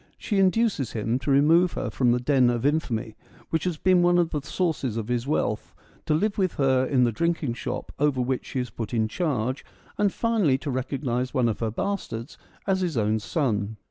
She induces him to remove her from the den of infamy which has been one of the sources of his wealth, to live with her in the drinking shop over which she is put in charge, and finally to recognise one of her bastards as his own son.